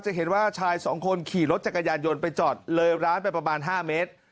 จะเห็นว่าชายสองคนขี่รถจักรยานยนต์ไปจอดเลยร้านไปประมาณ๕เมตร